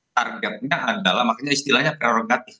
targetnya adalah makanya istilahnya prerogatif